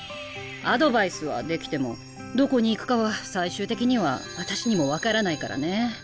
アドバイスはできてもどこに行くかは最終的には私にも分からないからね。